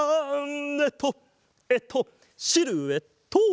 えっとえっとシルエット！